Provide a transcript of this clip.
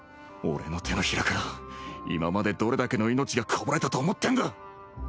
俺の手のひらから今までどれだけの命がこぼれたと思ってんだ！